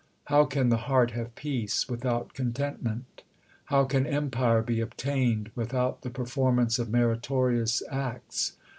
How can the heart have peace without contentment ? How can empire be obtained without the performance of meritorious acts